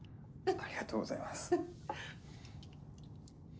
ありがとうございます。